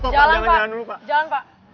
jalan pak jalan pak